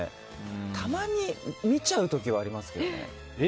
たまに見ちゃう時はありますけど。